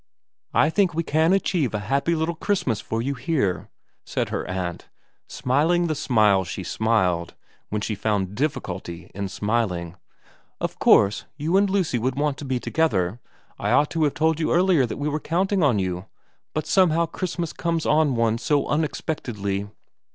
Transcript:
' I think we can achieve a happy little Christmas for you here,' said her aunt, smiling the smile she smiled when she found difficulty in smiling. ' Of course VERA 125 you and Lucy would want to be together. I ought to have told you earlier that we were counting on you, but somehow Christmas comes on one so un expectedly.'